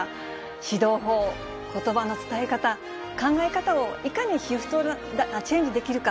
指導法、ことばの伝え方、考え方をいかにシフトチェンジできるか。